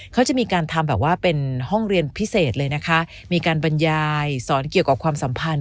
เขาจะมีการทำแบบว่าเป็นห้องเรียนพิเศษเลยนะคะมีการบรรยายสอนเกี่ยวกับความสัมพันธ